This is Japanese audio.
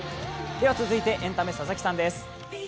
では、続いてエンタメ佐々木さんです。